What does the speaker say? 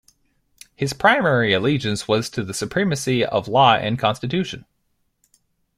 His primary allegiance was to the supremacy of law and constitution.